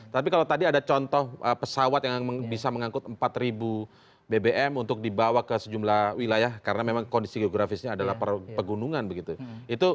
tapi kalau tadi ada contoh pesawat yang bisa mengangkut empat bbm untuk dibawa ke sejumlah wilayah karena memang kondisi geografisnya adalah pegunungan begitu ya